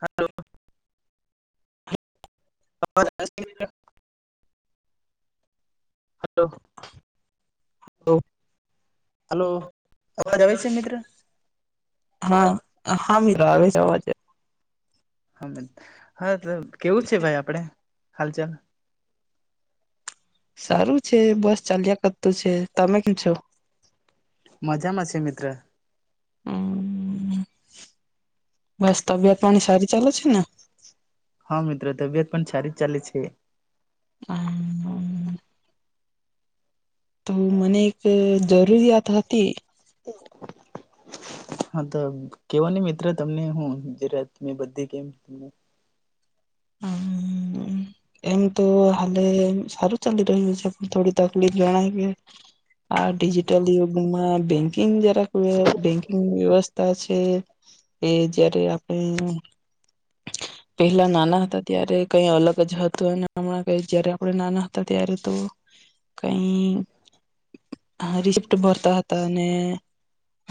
હાલો. અવાજ આવે છે મિત્ર? હલો. Hello hello. અવાજ વાત આવે કર છે મિત્ર [inaudible] હા. હા મીર આવે છે અવાજે. હમદ હા તો કેવું છે ભાઈ આપડે? હાલચલ. સારું છે બસ ચાલ્યા કર તું છે, તમે કીમ છો? ત્ર. હમ્મ. બસ તબિયત પાણી સારી ચાલે છે ને? હા મિત્ર, તબિયત પણ સારી જ ચાલે છે. હમ્મ. તો મને એક ક જરૂરિયાત હતી. હા તો કેવો ની મિત્ર તમને હું ગુજરાતની બધી ગેમ હમ્મ. એમ તો હાલે સારું ચાલી રહ્યું છે. થોડી તકલીફ જણાય કે આ ડિજિટલ યુગમાં બેંકિંગ જરાક બેંકિંગ વ્યવસ્થા છે એ જયારે આપણે પેહલા નાના હતા ત્યારે કઈ અલગ જ હતું અને હમણાં કઈ જયારે આપણે નાના ત્યારે તો કઈ રિસપ્ટ ભરતા હતા અને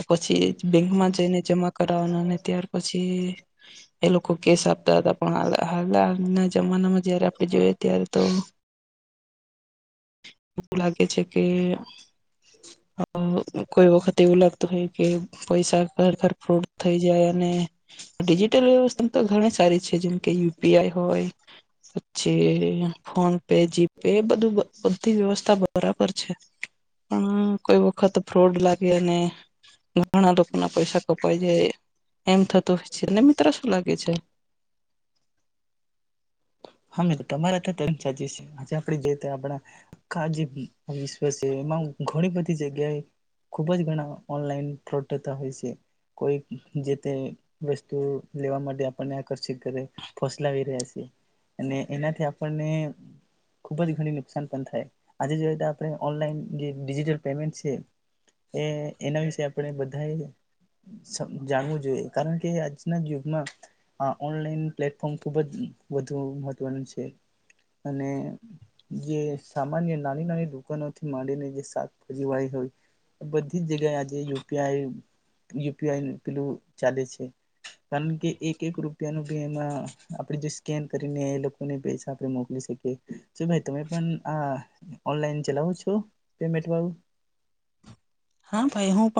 પછી બેંકમાં જઈને જમા કરાવવાના અને ત્યાર પછી કોઈ કેસ આપતા હતા પણ હાલ હાલના જમાનામાં જયારે આપણે જોઈએ ત્યારે તો એવું લાગે છે કે કોઈ વખત એવું લાગતું હોય કે પૈસા ઘર ઘર ફ્રાઉડ થઈ જાય અને ડિજિટલ પેમન્ટ તો ઘણી સારી છે જેમ કે યુ. પી. આઈ હોય પછી ફોન પે જીપે બધું બધી વ્યવસ્થા બરાબર છે પણ કોઈ વખત ફ્રોડ લાગે અને ઘણા લોકો ના પૈસા કપાઈ જાય એમ થતું હોય છેને મિત્ર કરીયે છે હમે તો તમારા [unintelligible] આજે આપ જે આપણાા [unintelligible] વિશ્વ છે એમાં હું ઘણી બધી જગ્યાએ ખુબ જ ઘણા ઓનલાઈન ફ્રોડ થતા હોય છે કોઈ જે તે વસ્તુ લેવા માટે આપણને આકર્ષિત કરે ફસલાવી રહ્યા છે અને એનાથી આપણને ખુબ જ ઘણી નુકસાન પણ થાય આજે જોઈયે તો આપણે ઓનલાઈન જે ડિજિટલ પેમેન્ટ છે એ એના વિશે આપણે બધાએ જાણવું જોઈએ કારણ કે આજના જુગમાં આ ઓનલાઈન પ્લેટફોર્મ ખુબ જ વધુ મહત્વનું છે અને જે સામાન્ય નાની નાની થી માંડીનેળી [unintelligible] હોય બધી જ જગ્યાએ આજે U. P. I U. P. I પેલું ચાલે છે કારણ કે એક એક રૂપિયાનું ભી એમાં આપડે જે સ્કેન કરીને એ લોકોને પૈસા આપ મોકલી શકીએ શું ભાઈ તમે પણ આ ઓનલાઈન ચલાવો છો પેમેન્ટ વાળું હા ભાઈ હું પ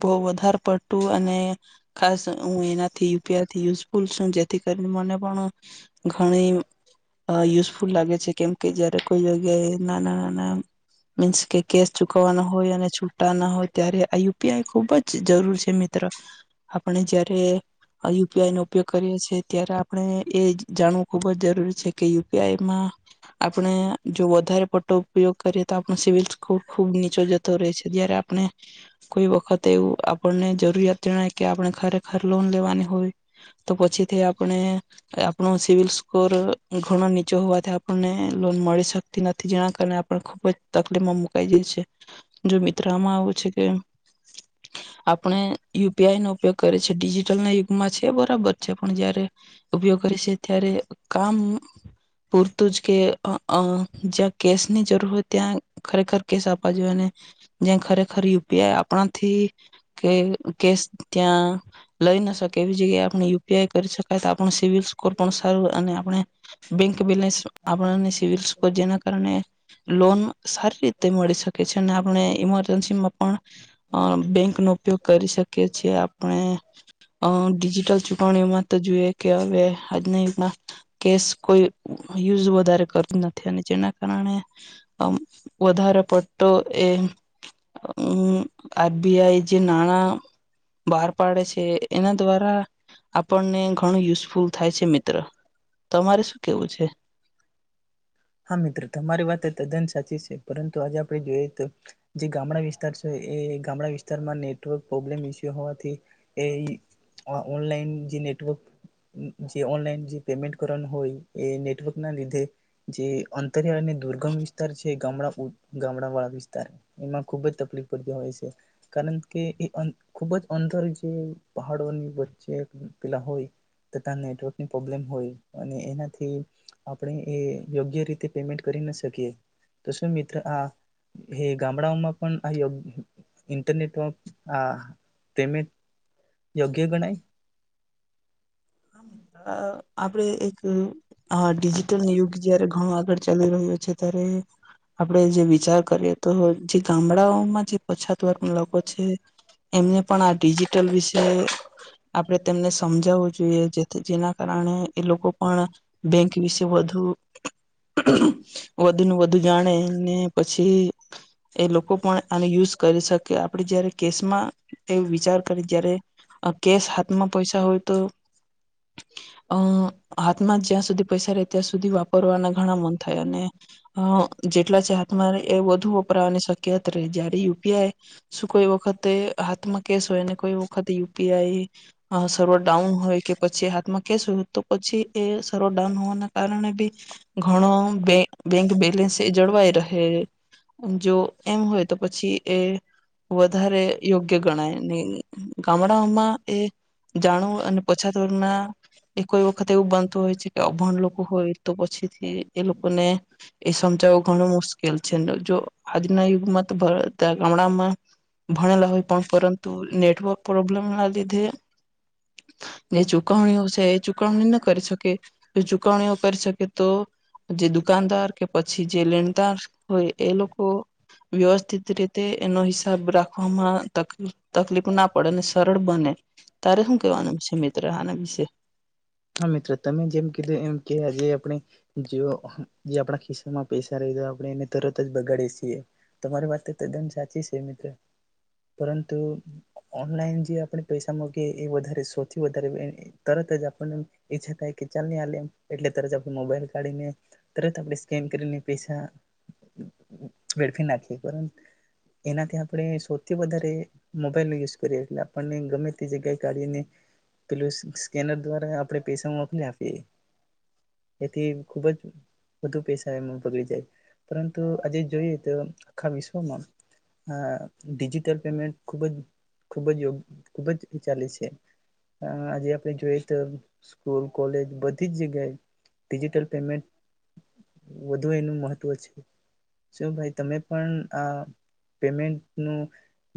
બહુ વધારે પડતું અને ખાસ હું એનાથી યુ. પી. આઇ થી [unintelligible] જેથી કરી મને પણ ઘણી અ યુઝફુલ લાગે છે કેમ કે જયારે કોઈ જગ્યાએ નાના નાના મીન્સ કે કેસ ચુકવવાનો હોય અને હોય ત્યારે આ યુ. પી. આઈ ખુબ જ જરૂર છે મિત્ર આપણે જયારે યુ. પી. આઈ નો ઉપયોગ કરીએ છે તેયારે આપણે એ જાણવું ખુબ જ જરૂરી છે કે યુ. પી. આઇ માં આપણે જો વધારે પડતો ઉપયોગ કરીએ તો આપણો સિવિલ સ્કોર ખુબ નીચો જતો રહે છે. જ્યારે આપણે કોઈ વખતે એવું આપણને જરૂરિયાત જણાય કે આપડે- ખરેખર લોન લેવાની હોય તો પછીથી આપણે આપણો સિવિલ સ્કોર અ ઘણો નીચો હોવાથી આપણને લોન મળી શકતી નથી. જેના કારણે આપડે ખુબ જ તકલીફમાં મુકાઈ જય છે. જો મિત્ર આમાં આવું છે કે આપણે U. P U. P. I નો ઉપયોગ કરે છે. ડિજિટલ ના યુગમાં છે બરાબર છે પણ જયારે ઉપયોગ કરે છે ત્યારે કામ પૂરતું જ કે અ અ જ્યાં કેશની જરૂર હોય ત્યાં ખરેખર કેસ આપ જોયે ને જ્યા ખરેખર યુ પી આઈ આપણાથી કે કેશ ત્યાં લઈ ન શકે એવી જગ્યાએ આપણે યુ પી આઈ કરી શકાય તો આપણું સિવિલ સ્કોર પણ સારું અને આપણે બેંક બેલેન્સ આપણાને સિવિલ સ્કોર જેના કારણે લોન સારી રીતે મળી શકે છે. અને આપણે ઇમરજન્સીમાં પણ અ બેંકનો ઉપયોગ કરી શકીએ છીએ. આપણે અ ડિજિટલ ચૂંટવણીઓમાં તો જુઈએ કે હવે આજ ની ના કેસ કોઈ યુઝ વધારે કરતું નથી અને જેના પરાણે અમ વધારે પડ તો એ અમ આર બી આઈ જે નાણાં બહાર પાડે છે એના દ્વારા આપણને ઘણું યુઝફુલ થાય છે મિત્ર. તમારે શું કેવું છે? હા મિત્ર તમારી વાત તો તદ્દન સાચી છે. પરંતુ આજે આપણે જોઈએ તો જે ગામડા વિસ્તાર છે એ ગામડા વિસ્તારમાં નેટવર્ક પ્રોબ્લેમ ઇસ્યુ હોવાથી એ ઈ ઓનલાઈન જે નેટવર્ક જે ઓનલાઈન જે પેમેન્ટ કરવાનું હોય એ નેટવર્ક ના લીધે જે અંતરિયાળ અને દુર્ગમ વિસ્તાર છે ગામડા ગામડા વાળા વિસ્તાર એમાં ખુબ જ તકલીફ પડતી હોય છે. કારણ કે એ અન ખૂબ જ અંદર જે પહાડોની વચ્ચે પેલા હોય તો તા નેટવર્કની પ્રોબ્લેમ હોય અને એનાથી આપણે એ યોગ્ય રીતે પેમેન્ટ કરી ન શકીએ તો શું મિત્ર આ હે ગામડાઓમાં પણ આ યોગ ઇન્ટરનેટમાં આ પેમેન્ટ યોગ્ય ગણાય. હા મિત્ર આપડે એક હા ડિજિટલ યુગ જયારે હા આગળ ચાલી રહ્યો છે ત્યારે આપણે જે વિચાર કરીએ તો જે ગામડા ગામડા ઓમાં જે પછાત વર્ગના લોકો છે એમને પણ આ ડિજિટલ વિષે આપડે તેમને સમજાવવુ જોઈએ જેથી જેના કારણે એ લોકો પણ બેંક વિશે વધુ વધુને વધુ જાણે ને પછી એ લોકો પણ આનો યુઝ કરી શકે આપણે જયારે કેશમાં એ વિચાર કરયે તયારે કેશ હાથમાં પૈસા હોય તો અ હાથમાં જ્યાં સુધી પૈસા રે ત્યાં સુધી વાપ વાપરવાના ઘણા મન થાય અને અ જેટલા છે હાથમાં એ વધુ વપરાવાની શક્યત રહે, જ્યારે યુ પી આઈ શું કોઈ વખતે હાથમાં કેસ હોય ને કોઈ વખતે યુ પી આઈ હા સર્વર ડાઉન હોય કે પછી હાથમાં કેશ થુ તો પછી એ સર્વર ડાઉન હોવાના કારણે બી ઘણો બેંક બેંક બેલેન્સ એ જળવાય રહે, જો એમ હોય તો પછી એ વધારે યોગ્ય ગણાયને ગામડાઓમાં એ જાણવું અને પછાત વર્ગના એ કોઈ વખત એવું બનતું હોય છે કે અભણ લોકો હોય તો પછીથી એ લોકોને એ સમજાવું ઘણું મુશ્કેલ છે ને જો આજના યુગમાં બધાં ગામડામાં ભણેલા હોય પણ પરંતુ નેટવર્ક પ્રોબ્લેમ ના લીધે ને ચુકવણીઓ છે એ ચુ કવણી ન કરી શકે, તે ચુકવણીઓ કરી શકે તો જે દુકાનદાર, કે પછી જે લેણદાર હોય, એ લોકો વ્યવસ્થિત રીતે એનો હિસાબ રાખવામાં તકલીફ તકલીપ ના પડે અને સરળ બને. તારે હું કેવાનું છે મિ ત્ર આના વિશે? હા મિત્ર તમે જેમ કીધું એમ કે આજે આપણે જે આપણા ખિસ્સામાં પૈસા ર આપણે એને તરત જ બગાડીએ છીએ, તમારી વાત તદ્દન સાચી છે મિત્ર, પરંતુ ઓનલાઈન જે આપણે પૈસા મકીએ એ વધારે સૌથી વધારે વે તરત જ આપર્ણે એ છકાય કે ચાલ ને લેમ, એટલે તરત આપણે મોબાઈલ કાઢીને તરત આપડે સ્કેન કરીને પૈસા વેળફી નાખીએ એનાથી આપણે સૌથી વધારે મોબાઈલ નો યુઝ કરીએ, એટલે આપર્ણે ગમે તે જગ્યાએ કાઢીને પેલું સ સ્કેનર દ્વારા આપણે પૈસા મોકલી આપીએ, તેથી ખૂબ જ વધુ પૈસા એમાં બગડી જાય, પરંતુ આજે જોઈએ તો આખા વિશ્વમાં અ ડિજિટલ પેમેન્ટ ખૂબ જ ખૂબ જ ખૂબ જ ચાલે છે, અ આજે આપણે જોઈએ તો સ્કૂલ, કોલેજ બધી જ જગ્યાએ ડીજીટલ પેમેન્ટ વધુ એનું મહત્વ છે, શું ભાઈ તમે પણ આ પેમેન્ટનું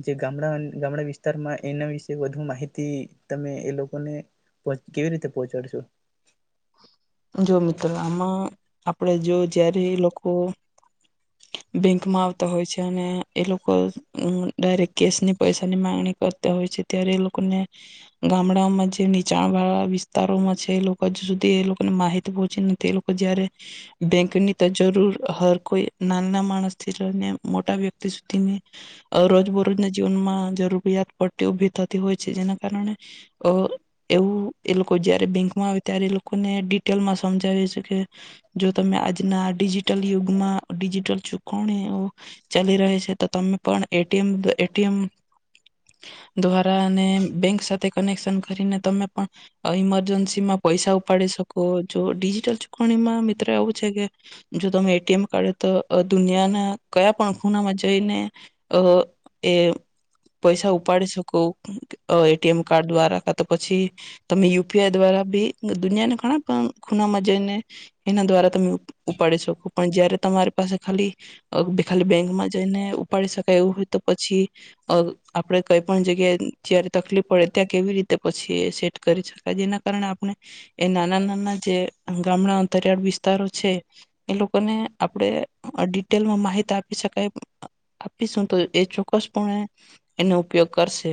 જે ગામડા વિસ્તારમાં એના વિશે વધુ માહિતી તમે એ લોકોને કેવી રીતે પહોંચાડ શું? જો મિત્ર, આમાં આપડે જો જ્યારે એ લોકો બેંકમાં આવતા હોય છે અને એ લોકો અન ડાયરેક્ટ કેશ ની, પૈસાની માંગણી કર તા હોય છે, ત્યારે એ લોકો ને ગામડામાં જે નીચાણ વાળા વિસ્તારોમાં છે, એ લોકો હજુ સુધી એ લોકો ને માહિતી પહોંચી નથી, એ લોકો જ્યારે બેંકની તો જરૂર હર કોઈ નાના માણસથી રને મોટા વ્યક્તિ સુધી ને અ રોજબરોજ ના જીવનમાં અ જરૂરિયાત પડતી ઉભી થતી હોય છે, જેના કારણે અ એવું એ લોકો જ્યારે બેંકમાં આવે ત્યારે એ લો કોને ડિટેલમાં સમજાવીએ છે કે, જો તમે આજના ડિજિટલ યુગમાં ડીજીટલ ચુકવણીઓ ચાલી રહે છે, તો તમે પણ એ ટી અમ એમ ટી અમ દ્વારા ને બેંક સ તે કનેક્શન કરીને તમે પળ ઈમરજન્સી માં પૈસા ઉપાડી શકો, જો ડિજિટલ ચુ કણીમાં મિત્ર એવું છે કે જો તમે એ ટી એમ કાર્ડ અ દુનિયાના કયા પણ ખૂણામાં જઈને અ એ પૈસા ઉપાડી શકો. અ એ ટી એમ કાર્ડ દ્વારા કા તો પછી તમે યુ પી આઈ દ્વારા બી દુનિયાને ખના કણ ખૂનામાં જઈને એના દ્વારા તમે ઉપાડી શકો પણ જયારે તમારે સે ખાલી ખાલી બેંકમાં જઈને ઉપાડી શકાય એવું હોય, તો પછી આપડે કઈ પણ જગ્યાએ જારે તકલીફ પડે ત્યાં કેવી રીતે પછી સેટ કરી શકાય જેના કારણે આપણે એ નાના નાના જે ગામડા અંતરિયાળ વિસ્તારો છે. એ લોકોને આપણે ડિટેલમાં માહિત આપી શકાય, આપીશું તો એ ચોક્કસપણે એનો ઉપયોગ કરશે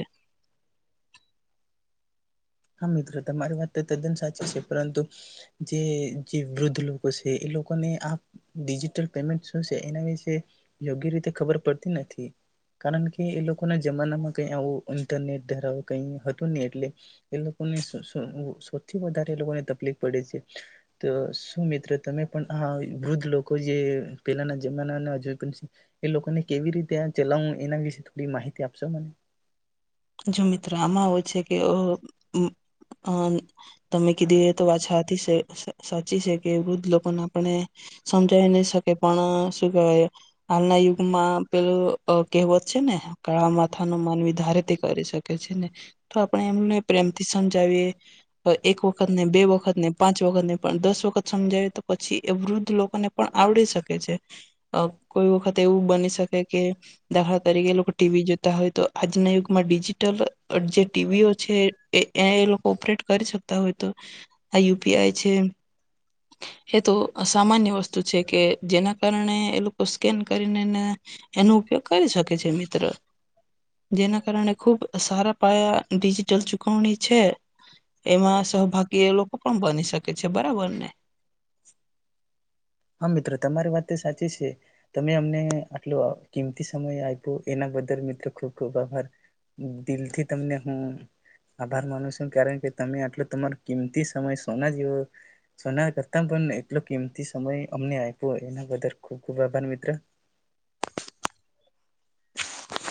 હા મિત્રો તમારી વાત તો તદ્દન સાચી છે પરંતુ જે જે વૃદ્ધ લોકો છે એ લોકોને આ ડિજિટલ પેમેન્ટ શું છે, એના વિશે યોગ્ય રીતે ખબર પડતી નથી. કારણ કે એ લોકોને જમાનામાં કય આવું ઇન્ટરનેટ ધરાવ કઈ હતું નહી એટલે એ લોકોને સો સો સૌથી વધારે એ લોકોને તકલીફ પડે છે. તો શું મિત્ર તમે પણ આ વૃદ્ધ લોકો જે પહેલાના જમાના હજુ એ લોકોને કેવી રીતે ચલાવ એના વિશે થોડી માહિતી આપશો મને! જો મિત્રો આમાં હો છે કે હ તમે કીધી તો વાત સાચી છે. સાચી છે કે વૃદ્ધ લોકોને આપણે સમજાવી નહી શકે પણ શું કેહેવાય હાલના યુગમાં પેલું કહેવત છે ને કાળા માથા નો માનવી ધારે કરી શકે છે ને તો આપણે એમને પ્રેમથી સમજાવીએ એક વખત ને, બે વખત ને, પાંચ વખત ને, પણ દસ વખત સમજાવીએ તો પછી એ વૃદ્ધ લોકોને પણ આવડી શકે છે. કોઈ વખત અ એવું બની શકે કે દાખલા તરીકે લોકો ટીવી જોતા હોય તો આજના યુગ માં ડિજિટલ જેટ ટીવીઓ છે, એ લોકો ઓપરેટ કરી શકતા હોય તો આ યુપીઆઈ છે. એ તો સામાન્ય વસ્તુ છે. કે જેના કારણે એ લોકો સ્કેન કરીનેને એનો ઉપયોગ કરી શકે છે. મિત્ર જેના કારણે ખુબ સારા પાયા ડિજિટલ ચુકવણી છે, એમાં સહભાગી એ લોકો પણ બની શકે છે બરાબર ને! હા મિત્રો તમારી વાત તે સાચી છે. તમે અમને કિમતી સમય આપો એના બદલ મિત્રો ખૂબ ખૂબ આભાર. દિલ થી તમને હું આભાર માનું છું કારણ કે તમે આટલો તમારો કિંમતી સમય સોના જેવો સોના કરતા પણ એટલો કિંમતી સમય અમને આપ્યોય એના બધાર ખુબ ખુબ આભાર મિત્ર.